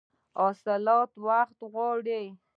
اصلاحات وخت غواړي